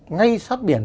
ngay sát biển